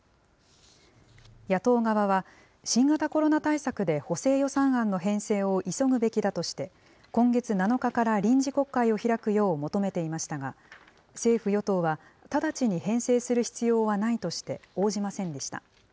野党側は、新型コロナ対策で補正予算案の編成を急ぐべきだとして、今月７日から臨時国会を開くよう求めていましたが、政府・与党は、直ちに編成する必要はないとして応じませんでした。